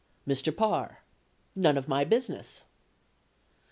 Mr. Parr. None of my business.